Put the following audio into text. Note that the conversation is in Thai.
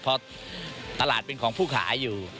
เพราะตลาดเป็นของผู้ขายอยู่